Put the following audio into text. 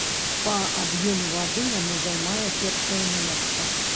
Па аб'ёме вады яно займае першае месца.